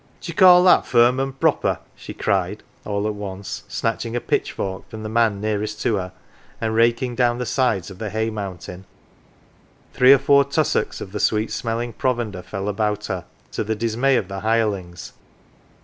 "D'ye call that firm an" proper?" she cried, all at once, snatching a pitchfork from the man nearest to her, and raking down the sides of the hay mountain. Three or four tussocks of the sweet smelling provender fell about her, to the dismay of the hirelings.